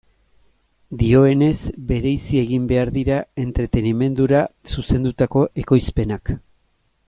Dioenez, bereizi egin behar dira entretenimendura zuzendutako ekoizpenak.